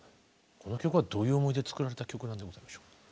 この曲はどういう思いで作られた曲なんでございましょう。